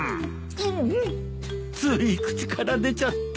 つい口から出ちゃって。